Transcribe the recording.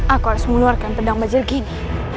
aku harus mengeluarkan pedang baju begini